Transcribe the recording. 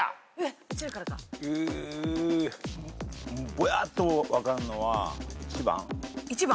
ぼやっと分かんのは１番？